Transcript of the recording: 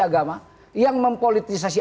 agama yang mempolitisasi